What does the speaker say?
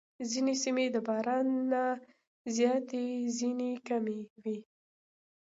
ځینې سیمې د باران نه زیاتې، ځینې کمې وي.